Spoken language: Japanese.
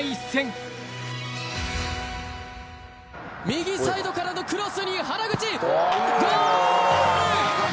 右サイドからのクロスに原口！